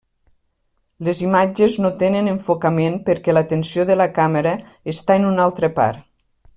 Les imatges no tenen enfocament perquè l'atenció de la càmera està en una altra part.